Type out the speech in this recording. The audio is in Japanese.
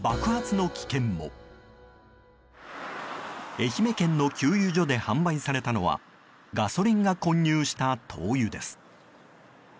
愛媛県の給油所で販売されたのはガソリンが混入した灯油です。